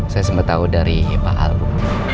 saya sempat tau dari pak albu